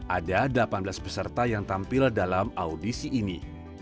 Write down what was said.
ada delapan belas peserta yang tampil dalam audisi ini